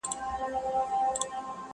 فخر په ښکلا دي ستا د خپل وجود ښکلا کوي,